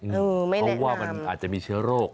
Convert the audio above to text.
เพราะว่ามันอาจจะมีเชื้อโรค